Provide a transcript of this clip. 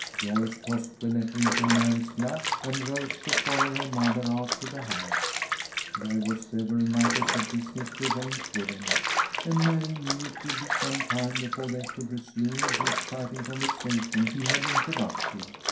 Joyce tossed the letter into Mary's lap and rose to follow her mother out to the hives. There were several matters of business to arrange with him, and Mary knew it would be some time before they could resume the exciting conversation he had interrupted.